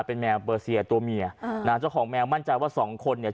เป็นแมวเบอร์เซียตัวเมียอ่านะฮะเจ้าของแมวมั่นใจว่าสองคนเนี่ย